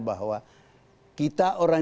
bahwa kita orang